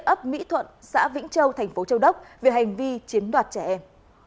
gấp mỹ thuận xã vĩnh châu thành phố châu đốc về hành vi chiến đoạt trẻ em